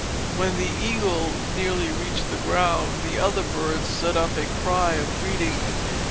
When the Eagle nearly reached the ground, the other birds set up a cry of greeting.